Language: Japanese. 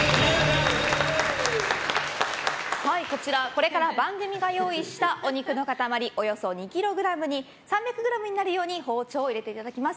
これから、番組が用意したお肉の塊およそ２ｋｇに３００ｇになるように包丁を入れていただきます。